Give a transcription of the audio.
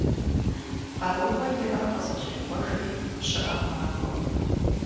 Къарууэ иӀэр къызэщӀекъуэжри, пщыӏэм макӀуэ.